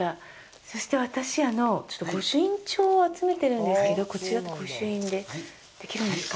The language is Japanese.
そして私、ちょっと、ご朱印帳を集めてるんですけどこちらってご朱印できるんですか。